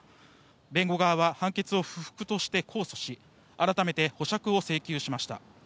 弁護側は判決を不服として控訴し改めて保釈を請求しました。